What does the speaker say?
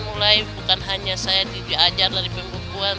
mulai bukan hanya saya diajar dari pembukuan